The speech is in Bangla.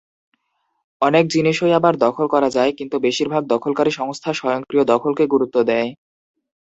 অনেক জিনিসই আবার দখল করা যায়, কিন্তু বেশিরভাগ দখলকারী সংস্থা স্বয়ংক্রিয় দখলকে গুরুত্ব দেয়।